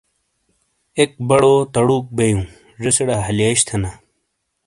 ایک بڑو تڑُوک بئیوں۔ زیسیرے ہلیئش تھینا۔